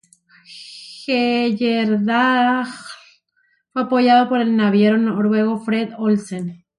Heyerdahl fue apoyado por el naviero noruego Fred Olsen.